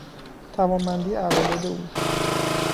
توانمندی عقاید او